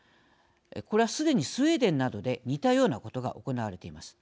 これはすでにスウェーデンなどで似たようなことが行われています。